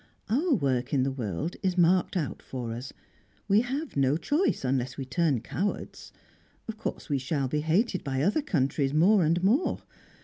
"Our work in the world is marked out for us; we have no choice, unless we turn cowards. Of course we shall be hated by other countries, more and more.